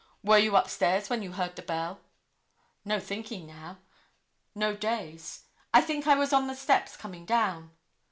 'Were you upstairs when you heard the bell?' No thinking now, no daze: 'I think I was on the steps coming down.